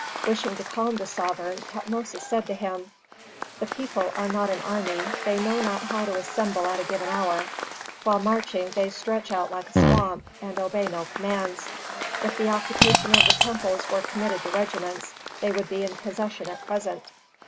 Wishing to calm the sovereign, Tutmosis said to him, "The people are not an army. They know not how to assemble at a given hour; while marching they stretch out like a swamp, and obey no commands. If the occupation of the temples were committed to regiments they would be in possession at present."